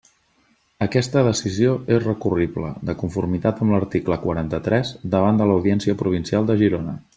Aquesta decisió és recurrible, de conformitat amb l'article quaranta-tres, davant de l'Audiència Provincial de Girona.